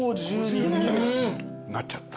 なっちゃった。